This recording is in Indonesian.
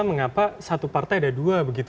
mengapa satu partai ada dua begitu